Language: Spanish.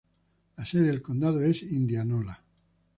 La sede del condado es Indianola.